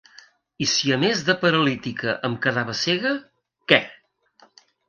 I si a més de paralítica em quedava cega, què?